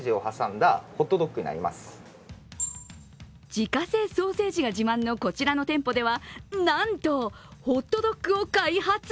自家製ソーセージが自慢のこちらの店舗ではなんと、ホットドッグを開発。